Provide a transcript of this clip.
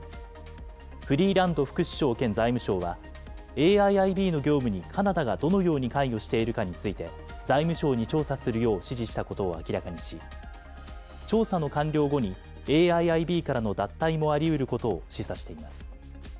フリーランド副首相兼財務相は、ＡＩＩＢの業務にカナダがどのように関与しているかについて、財務省に調査するよう指示したことを明らかにし、調査の完了後にＡＩＩＢからの脱退もありうることを示唆しています。